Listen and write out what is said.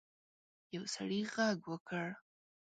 یو سړي غږ وکړ.